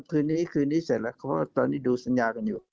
คืนนี้เสร็จแล้วเพราะตอนนี้ดูสัญญากันอยู่